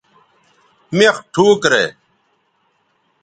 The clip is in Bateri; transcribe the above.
مِخ ٹھوک رے